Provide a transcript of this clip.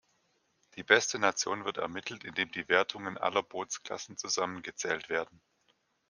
Die beste Nation wird ermittelt, indem die Wertungen aller Bootsklassen zusammengezählt werden.